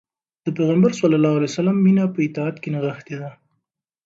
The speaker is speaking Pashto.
د پيغمبر ﷺ مینه په اطاعت کې نغښتې ده.